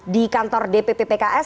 di kantor dpp pks